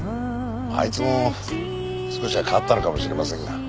あいつも少しは変わったのかもしれませんが。